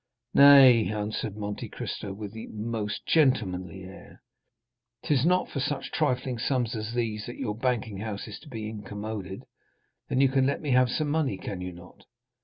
"Nay," answered Monte Cristo, with the most gentlemanly air, "'tis not for such trifling sums as these that your banking house is to be incommoded. Then, you can let me have some money, can you not?"